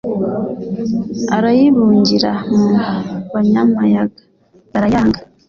arayibungira mu banyamayaga, barayanga